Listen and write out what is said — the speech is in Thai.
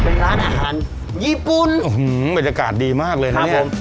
เป็นร้านอาหารญี่ปุ่นอื้อหือบรรยากาศดีมากเลยครับผม